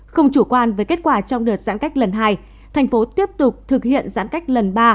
không chủ quan với kết quả trong đợt giãn cách lần hai thành phố tiếp tục thực hiện giãn cách lần ba